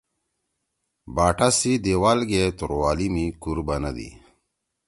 باٹا سی دیوال گے توروالی می کُور بنَدی۔